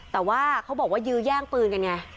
แต่ว่าเขาบอกว่ายื้อแย่งปืนกันไง